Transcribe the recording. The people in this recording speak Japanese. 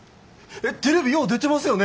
テレビよう出てますよね！